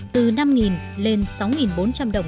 từ năm lên sáu bốn trăm linh đồng